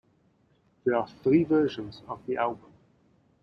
There are three versions of the album.